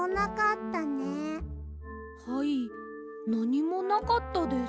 はいなにもなかったです。